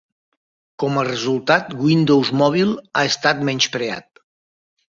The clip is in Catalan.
Com a resultat, Windows Mobile ha estat menyspreat.